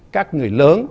các người lớn